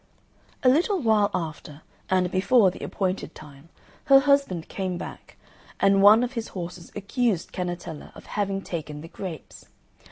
A little while after, and before the appointed time, her husband came back, and one of his horses accused Cannetella of having taken the grapes.